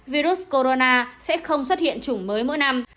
virus corona sẽ không xuất hiện chủng mới mỗi năm